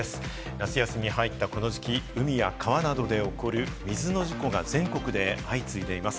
夏休みに入ったこの時期、海や川などで起こる水の事故が全国で相次いでいます。